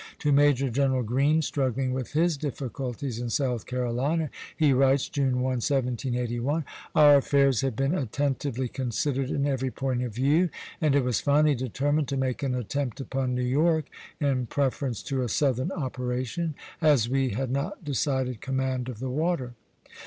To Major General Greene, struggling with his difficulties in South Carolina, he writes, June 1, 1781: "Our affairs have been attentively considered in every point of view, and it was finally determined to make an attempt upon New York, in preference to a Southern operation, as we had not decided command of the water."